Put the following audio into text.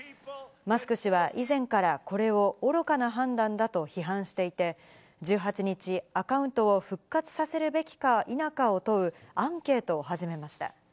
マスク氏は以前からこれを愚かな判断だと批判していて、１８日、アカウントを復活させるべきか否かを問うアンケートを始めました。